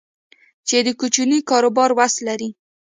چې د کوچني کاروبار وس لري